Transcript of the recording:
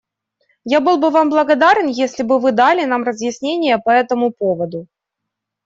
Я был бы Вам благодарен, если бы Вы дали нам разъяснения по этому поводу.